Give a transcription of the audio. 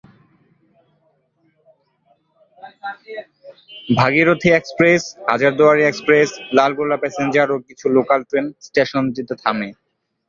Bhagirathi express, Hazarduari express, Lalgola passenger ও কিছু local train স্টেশনটিতে থামে।